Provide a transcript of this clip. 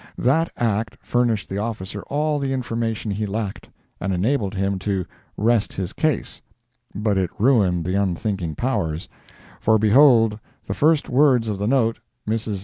That act furnished the officer all the information he lacked, and enabled him to "rest his case," but it ruined the unthinking Powers—for behold, the first words of the note, "MRS.